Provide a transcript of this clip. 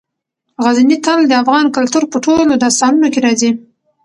غزني تل د افغان کلتور په ټولو داستانونو کې راځي.